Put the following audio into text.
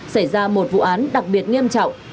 xảy ra một vụ án đặc biệt nghiêm trọng